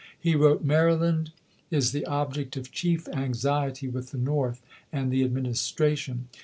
He wrote : Maryland is the object of chief anxiety with the North and the Administration.